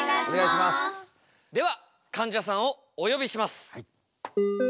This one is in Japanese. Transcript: ではかんじゃさんをお呼びします。